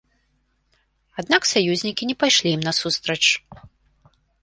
Аднак саюзнікі не пайшлі ім насустрач.